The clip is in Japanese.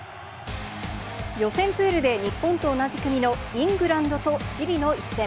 予選プールで日本と同じ組の、イングランドとチリの一戦。